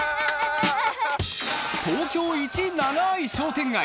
［東京イチ長い商店街